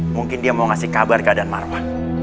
mungkin dia mau ngasih kabar ke adan marwa